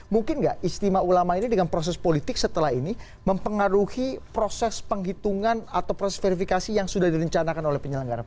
mungkin nggak istimewa ulama ini dengan proses politik setelah ini mempengaruhi proses penghitungan atau proses verifikasi yang sudah direncanakan oleh penyelenggara